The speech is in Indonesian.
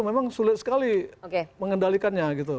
memang sulit sekali mengendalikannya gitu